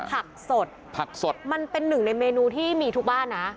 ผักสดผักสดมันเป็นหนึ่งในเมนูที่มีทุกบ้านนะ